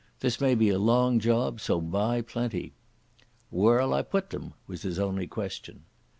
This may be a long job, so buy plenty." "Whaur'll I put them?" was his only question.